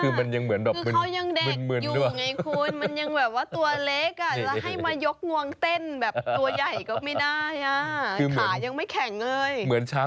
น่ารักก้า